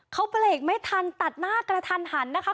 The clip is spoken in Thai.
เขาเบรกไม่ทันตัดหน้ากระทันหันนะคะ